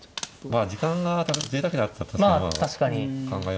まあ時間がぜいたくにあったら確かに考えますけど。